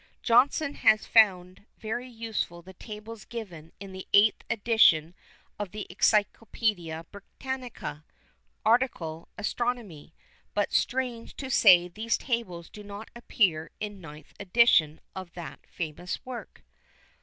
Johnson has found very useful the tables given in the eighth edition of the Encyclopædia Britannica (Article, "Astronomy") but strange to say these tables do not appear in ninth edition of that famous work.